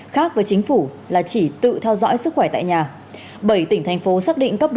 khác với chính phủ là chỉ tự theo dõi sức khỏe tại nhà